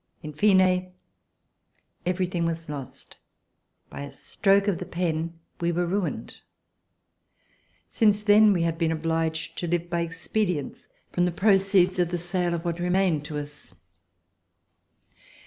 In fine, everything was lost. By a stroke of the pen we were ruined. Since then we have been obliged to live by expedients, from the proceeds of the sale of what remained to us.